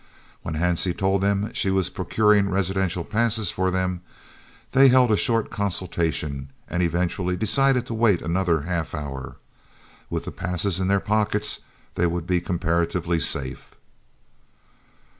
When Hansie told them she was procuring residential passes for them, they held a short consultation and eventually decided to wait another half hour. With passes in their pockets they would be comparatively safe.